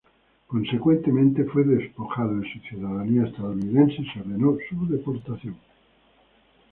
Consecuentemente fue despojado de su ciudadanía estadounidense y se ordenó su deportación.